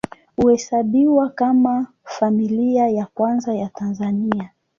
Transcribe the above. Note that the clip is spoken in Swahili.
Huhesabiwa kama Familia ya Kwanza ya Tanzania.